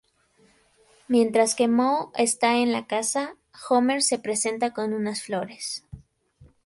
Mientras que Moe estaba en la casa, Homer se presenta con unas flores.